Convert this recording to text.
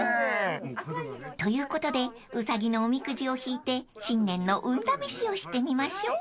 ［ということでうさぎのおみくじを引いて新年の運試しをしてみましょう］